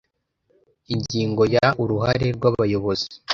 Ingingo ya Uruhare rw abayobozi